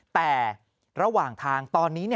แต่ระหว่างทางตอนนี้